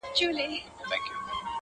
مین دي کړم خو لېونی دي نه کړم,